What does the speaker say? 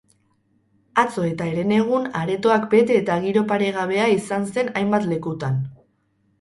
Atzo eta herenegun aretoak bete eta giro paregabea izan zen hainbat lekutan.